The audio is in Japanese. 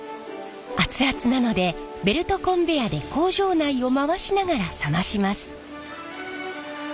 熱々なのでベルトコンベヤーで工場内を回しながら冷まします。